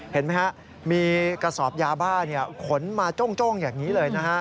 เห็นไหมฮะมีกระสอบยาบ้าขนมาโจ้งอย่างนี้เลยนะฮะ